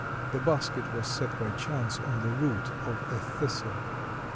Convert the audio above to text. The basket was set by chance on the root of a Thistle.